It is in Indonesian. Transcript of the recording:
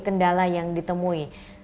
kendala yang ditemui